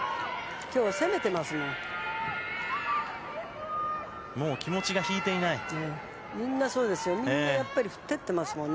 きょうは攻めてますもん。